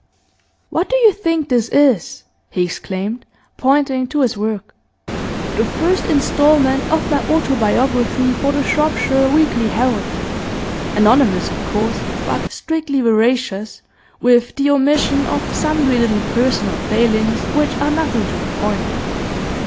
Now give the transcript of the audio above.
'What do you think this is?' he exclaimed, pointing to his work. 'The first instalment of my autobiography for the "Shropshire Weekly Herald." Anonymous, of course, but strictly veracious, with the omission of sundry little personal failings which are nothing to the point.